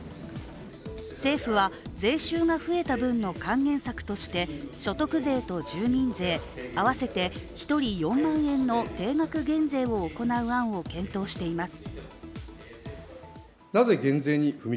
政府は税収が増えた分の還元策として所得税と住民税合わせて１人４万円の定額減税を行う案を検討しています。